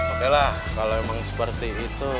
oke lah kalau memang seperti itu